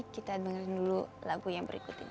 kita dengar dulu lagu yang berikut ini